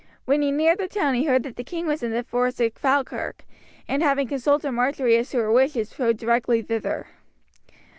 When he neared the town he heard that the king was in the forest of Falkirk, and having consulted Marjory as to her wishes rode directly thither.